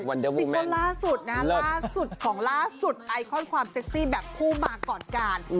สิ่งคนล่าสุดของล่าสุดไอคอนความเซ็กซี่แบบผู้มาก่อนการ